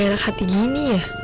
gue gak enak hati gini ya